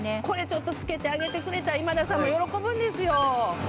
これちょっと付けてあげてくれたら今田さんも喜ぶんですよ。